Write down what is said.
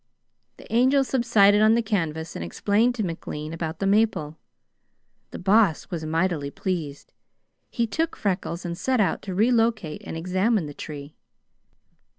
The Angel subsided on the canvas and explained to McLean about the maple. The Boss was mightily pleased. He took Freckles and set out to re locate and examine the tree.